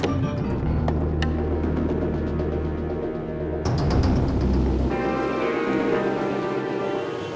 kamu tetap di jalan